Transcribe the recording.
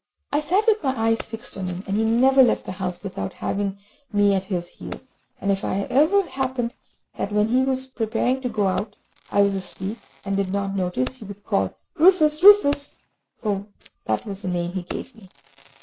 I sat with my eyes fixed on him, and he never left the house without having me at his heels; and if it ever happened that when he was preparing to go out I was asleep, and did not notice, he would call "Rufus, Rufus," for that was the name he gave me.